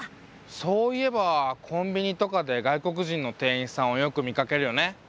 そういえばコンビニとかで外国人の店員さんをよく見かけるよね。